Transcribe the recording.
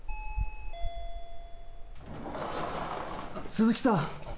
鈴木さん。